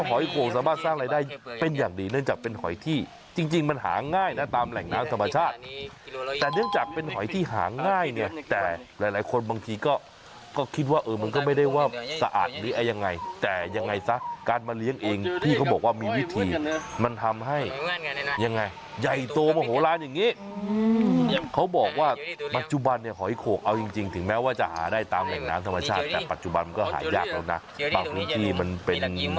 หอยโขกสามารถสร้างรายได้เป็นอย่างดีเนื่องจากเป็นหอยที่จริงมันหาง่ายนะตามแหล่งน้ำธรรมชาติแต่เนื่องจากเป็นหอยที่หาง่ายเนี่ยแต่หลายคนบางทีก็ก็คิดว่ามันก็ไม่ได้ว่าสะอาดหรืออะไรยังไงแต่ยังไงซะการมาเลี้ยงเองที่เขาบอกว่ามีวิธีมันทำให้ยังไงใหญ่โตมาโหลานอย่างนี้เขาบอกว่าปัจจุบันเน